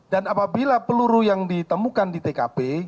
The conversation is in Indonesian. dan apabila peluru yang ditemukan di tkp